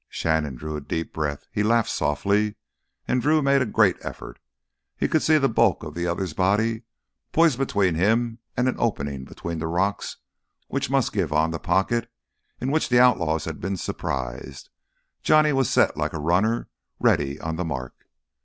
Shannon drew a deep breath. He laughed softly. And Drew made a great effort. He could see the bulk of the other's body poised between him and an opening between the rocks which must give on the pocket in which the outlaws had been surprised. Johnny was set like a runner ready on the mark.